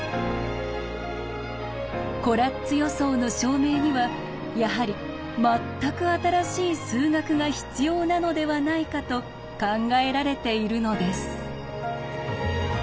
コラッツ予想の証明にはやはり全く新しい数学が必要なのではないかと考えられているのです。